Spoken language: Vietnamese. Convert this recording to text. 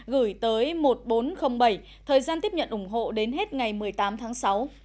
gửi tới một nghìn bốn trăm linh bảy thời gian tiếp nhận ủng hộ đến hết ngày một mươi tám tháng sáu